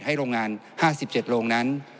โรงงาน๕๗โรงนั้น